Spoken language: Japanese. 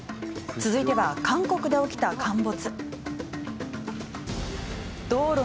続いてはアメリカで起きた陥没。